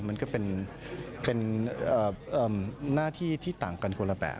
มันก็เป็นหน้าที่ที่ต่างกันคนละแบบ